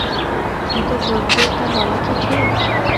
এত জোর দিয়ে তা বলা কি ঠিক?